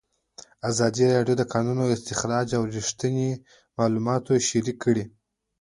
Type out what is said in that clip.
ازادي راډیو د د کانونو استخراج په اړه رښتیني معلومات شریک کړي.